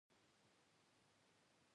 انسان باید خپله وړتیا وپیژني.